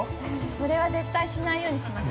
◆それは絶対しないようにしましょう。